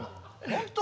本当？